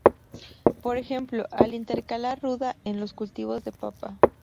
Por ejemplo al intercalar ruda en los cultivos de papa.